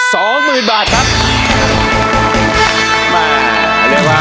สองหมื่นบาทครับ